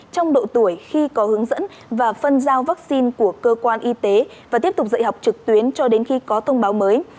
trong độ tuổi khi có hướng dẫn và phân giao vaccine của cơ quan y tế và tiếp tục dạy học trực tuyến cho đến khi có thông báo mới